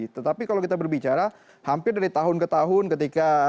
tetapi kalau kita berbicara hampir dari tahun ke tahun ketika